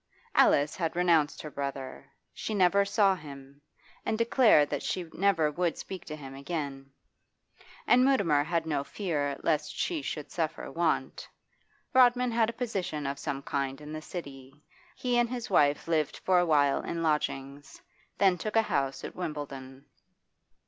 Alice had renounced her brother; she never saw him, and declared that she never would speak to him again. And Mutimer had no fear lest she should suffer want. Rodman had a position of some kind in the City; he and his wife lived for a while in lodgings, then took a house at Wimbledon.